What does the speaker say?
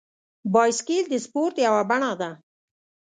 بایسکل د سپورت یوه بڼه ده.